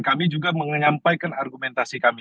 kami juga menyampaikan argumentasi kami